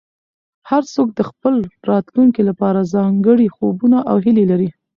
هر څوک د خپل راتلونکي لپاره ځانګړي خوبونه او هیلې لري.